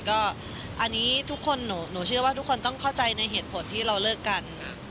ก็อันนี้สังผัสที่ทุกคนต้องเข้าใจในเหตุผลที่เราเลิกกัน